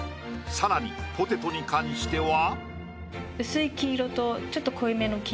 更にポテトに関しては。